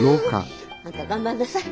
あんた頑張んなさい！